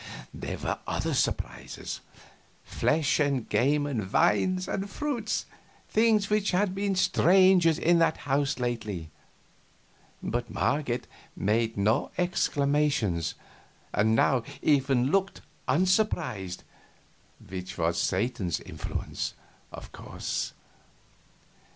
There were other surprises: flesh and game and wines and fruits things which had been strangers in that house lately; but Marget made no exclamations, and now even looked unsurprised, which was Satan's influence, of course.